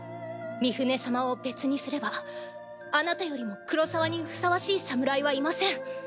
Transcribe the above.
ミフネ様を別にすればあなたよりも黒澤にふさわしい侍はいません。